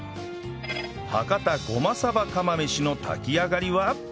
博多ごまさば釜飯の炊き上がりは？